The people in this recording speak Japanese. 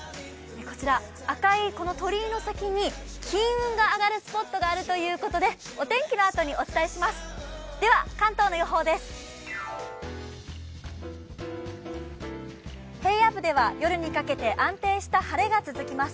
こちら、赤い鳥居の先に金運が上がるスポットがあるということでお天気のあとにお伝えします。